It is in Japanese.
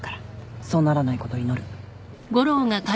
そうならないことを祈る。